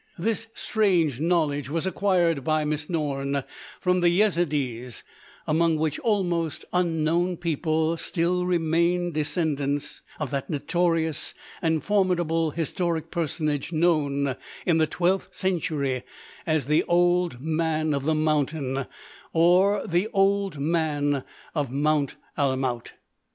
This strange knowledge was acquired by Miss Norne from the Yezidees, among which almost unknown people still remain descendants of that notorious and formidable historic personage known in the twelfth century as The Old Man of the Mountain—or The Old Man of Mount Alamout.